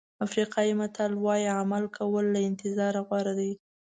افریقایي متل وایي عمل کول له انتظار غوره دي.